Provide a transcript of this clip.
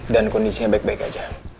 dan kondisinya baik baik aja